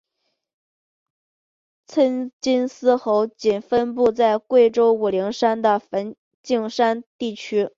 黔金丝猴仅分布在贵州武陵山的梵净山地区。